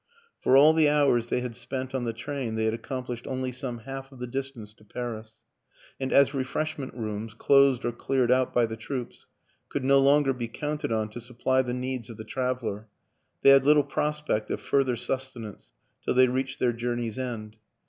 For all the hours they had spent on the train they had accomplished only some half of the distance to Paris; and as refreshment rooms closed or cleared out by the troops could no longer be counted on to supply the needs of the traveler, they had little prospect of further sustenance till they reached their journey's end.